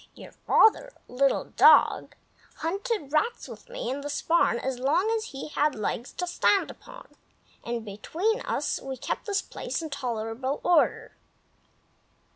Your father, Little Dog, hunted rats with me in this barn as long as he had legs to stand upon, and between us we kept the place in tolerable order.